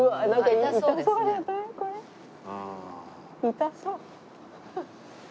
痛そう。